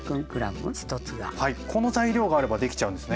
はいこの材料があればできちゃうんですね。